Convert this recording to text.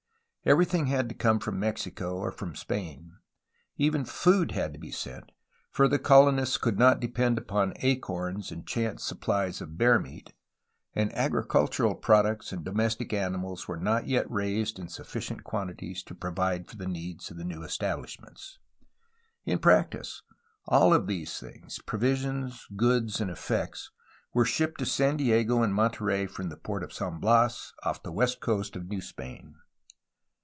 Everything had to come from Mexico or from Spain; even food had to be sent, for the colonists could not depend upon acorns and chance supplies of bear meat, and agricultural products and domestic animals were not yet raised in sufficient quantities to provide for the needs of the new establishments. In practice, all of these things (provi sions, goods, and effects) were shipped to San Diego and Monterey from the port of San Bias off the west coast of New Spain.